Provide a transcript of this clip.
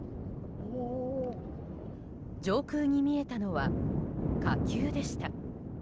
上空に見えたのは火球でした。